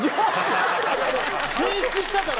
提出したから！